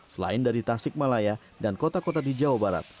selain dari tasikmalaya dan kota kota di jawa barat